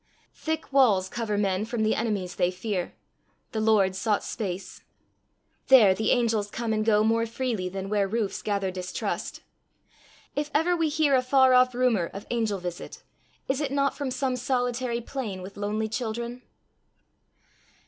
Thick walls cover men from the enemies they fear; the Lord sought space. There the angels come and go more freely than where roofs gather distrust. If ever we hear a far off rumour of angel visit, is it not from some solitary plain with lonely children?